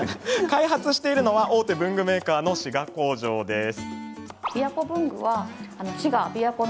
開発しているのは大手文具メーカーの滋賀工場です。